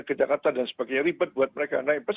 ke jakarta dan sebagainya ribet buat mereka naipers